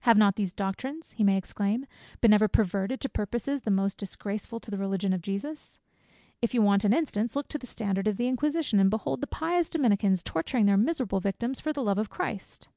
"Have not these doctrines," he may exclaim, "been ever perverted to purposes the most disgraceful to the Religion of Jesus? If you want an instance, look to the standard of the inquisition, and behold the pious Dominicans torturing their miserable victims for the Love of Christ.